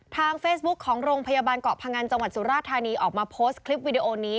ทางเฟซบุ๊คของโรงพยาบาลเกาะพงันจังหวัดสุราธานีออกมาโพสต์คลิปวิดีโอนี้